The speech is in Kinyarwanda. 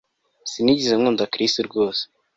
Sinigeze nkunda Chris rwose